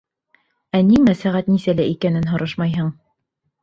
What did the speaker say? — Ә ниңә сәғәт нисәлә икәнен һорашмайһың?